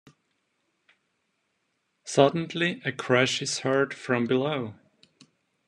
Suddenly, a crash is heard from below.